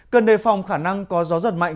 cần đề phòng khả năng có gió giật mạnh